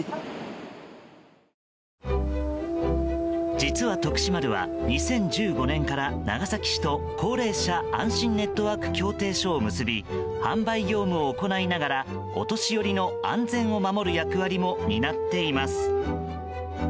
実は、「とくし丸」は２０１５年から長崎市と高齢者あんしんネットワーク協定書を結び販売業務を行いながらお年寄りの安全を守る役割も担っています。